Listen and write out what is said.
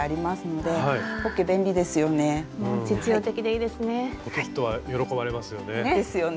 ですよね。